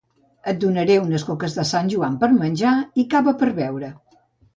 Et donaré unes coques de Sant Joan per menjar i cava per beure